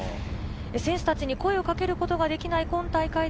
選手たちに声をかけることができない今大会。